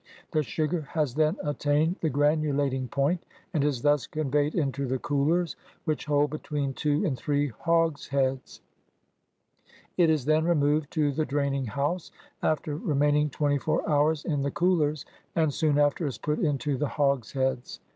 The sugar has then attained the granulat ing point, and is thus conveyed into the coolers, which hold between two and three hogsheads. It is then removed to the draining house, after remaining twenty four hours in the coolers, and soon after is put into the hogsheads.